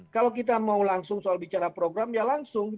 kalau kita mau langsung soal bicara program ya langsung